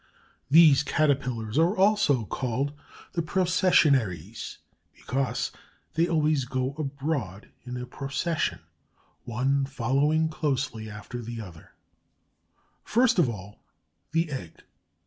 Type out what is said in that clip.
These Caterpillars are also called the Processionaries, because they always go abroad in a procession, one following closely after the other. First of all, the egg.